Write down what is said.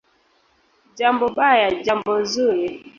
"Jambo baya, jambo zuri"